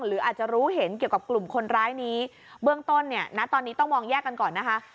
หรืออาจจะรู้เห็นเกี่ยวกับกลุ่มคนร้ายนี้เบื้องต้นเนี่ยณตอนนี้ต้องมองแยกกันก่อนนะคะ